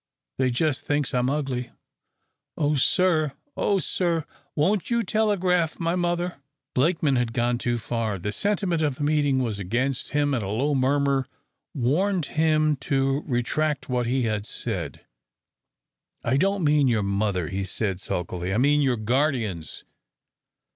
They just thinks I'm ugly. Oh, sir, oh, sir, won't you telegraph my mother?" Blakeman had gone too far. The sentiment of the meeting was against him, and a low murmur warned him to retract what he had said. "I don't mean your mother," he said, sulkily. "I mean your guardians."